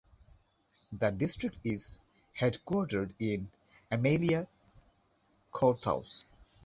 The district is headquartered in Amelia Courthouse.